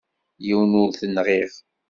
Yiwen ur t-nɣiɣ.